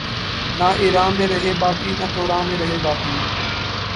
نہ ایراں میں رہے باقی نہ توراں میں رہے باقی